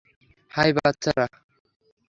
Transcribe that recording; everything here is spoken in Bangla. হাই, বাচ্চারা!